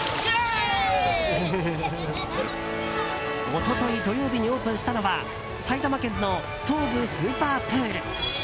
一昨日土曜日にオープンしたのは埼玉県の東武スーパープール。